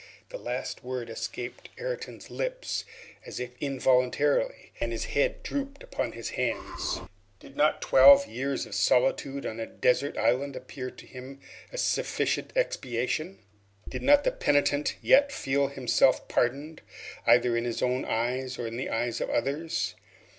This last word escaped Ayrton's lips as if involuntarily, and his head drooped upon his hands. Did not twelve years' solitude on a desert island appear to him a sufficient expiation? Did not the penitent yet feel himself pardoned, either in his own eyes or in the eyes of others?